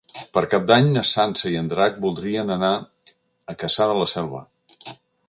Per Cap d'Any na Sança i en Drac voldrien anar a Cassà de la Selva.